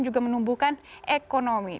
juga menumbuhkan ekonomi